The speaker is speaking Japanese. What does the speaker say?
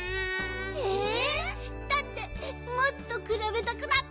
えっ？だってもっとくらべたくなった！